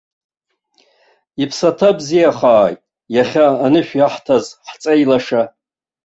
Иԥсаҭа бзиахааит иахьа анышә иаҳҭаз ҳҵеи лаша!